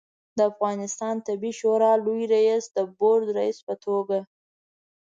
د افغانستان طبي شورا لوي رئیس د بورد رئیس په توګه